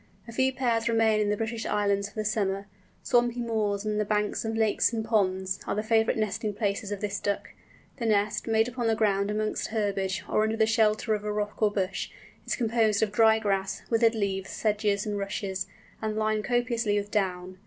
A few pairs remain in the British Islands for the summer. Swampy moors, and the banks of lakes and ponds, are the favourite nesting places of this Duck. The nest, made upon the ground amongst herbage, or under the shelter of a rock or bush, is composed of dry grass, withered leaves, sedges, and rushes, and lined copiously with down.